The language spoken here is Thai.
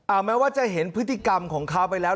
แม้ว่าจะเห็นพฤติกรรมของเขาไปแล้ว